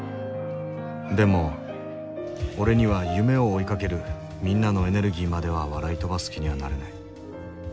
でも俺には夢を追いかけるみんなのエネルギーまでは笑い飛ばす気にはなれない。